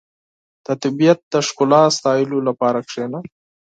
• د طبیعت د ښکلا ستایلو لپاره کښېنه.